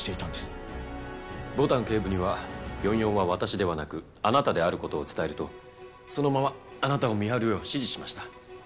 牡丹警部には４４は私ではなくあなたである事を伝えるとそのままあなたを見張るよう指示しました。